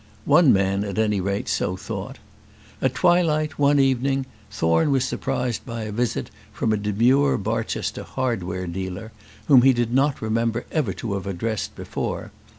One man, at any rate, so thought. At twilight, one evening, Thorne was surprised by a visit from a demure Barchester hardware dealer, whom he did not remember ever to have addressed before.